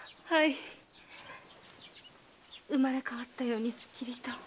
はい生まれ変わったようにすっきりと。